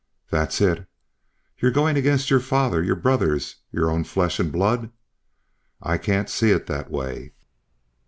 "That's it." "You're going against your father, your brothers, your own flesh and blood?" "I can't see it that way."